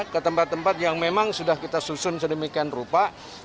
ke tempat tempat yang memang sudah kita susun sedemikian rupa